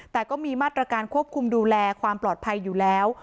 แต่ก็มีมาตรการควบคุมดูแลความปลอดภัยอยู่แล้ว